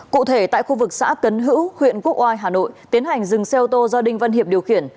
cụ thể tại khu vực xã cấn hữu huyện quốc oai hà nội tiến hành dừng xe ô tô do đinh văn hiệp điều khiển